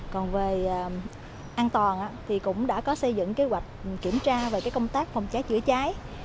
còn về an toàn thì cũng đã có xây dựng kế hoạch kiểm tra về công tác phòng cháy chữa cháy